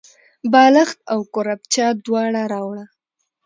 بالښت او کوربچه دواړه راوړه.